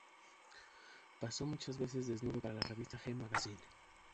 Posó muchas veces desnudo para la revista G Magazine.